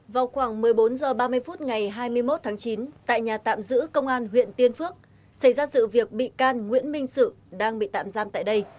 vào khoảng một mươi bốn h ba mươi phút ngày hai mươi một tháng chín tại nhà tạm giữ công an huyện tiên phước xảy ra sự việc bị can nguyễn minh sự đang bị tạm giam tại đây